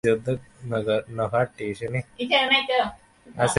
যোগাভ্যাসের দ্বারা এই শক্তি জাগরিত হয়।